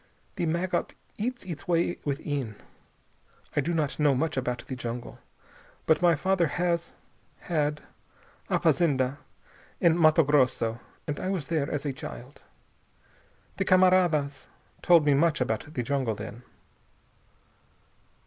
The maggot eats its way within. I do not know much about the jungle, but my father has had a fazenda in Matto Grosso and I was there as a child. The camaradas told me much about the jungle, then."